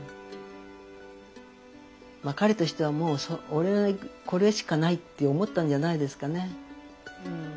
彼としてはもう俺はこれしかないって思ったんじゃないですかね。